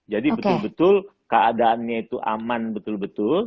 jadi betul betul keadaannya itu aman betul betul